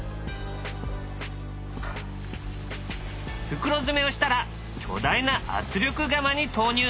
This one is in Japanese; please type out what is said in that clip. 袋詰めをしたら巨大な圧力釜に投入。